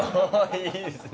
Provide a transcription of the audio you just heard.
いいっすね。